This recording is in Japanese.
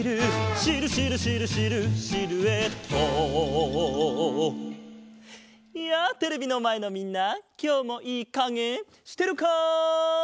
「シルシルシルシルシルエット」やあテレビのまえのみんなきょうもいいかげしてるか？